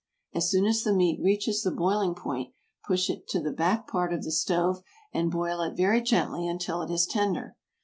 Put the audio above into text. As soon as the meat reaches the boiling point, push it to the back part of the stove and boil it very gently until it is tender.